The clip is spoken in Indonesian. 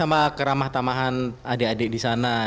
sama keramah tamahan adik adik di sana